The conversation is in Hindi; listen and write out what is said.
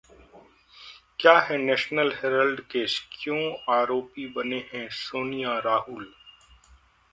क्या है नेशनल हेराल्ड केस, क्यों आरोपी बने हैं सोनिया-राहुल?